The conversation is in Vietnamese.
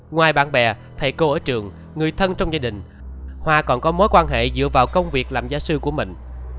ngoài bạn bè thầy cô ở trường người thân trong gia đình hoa còn có mối quan hệ dựa vào công việc làm gia sư của mình